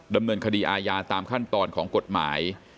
ดำเนินคดีอาญาตามขั้นตอนของกฎหมาย